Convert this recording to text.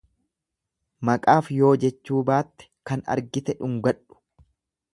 Maqaaf yoo jechuu baatte kan argite dhungadhu.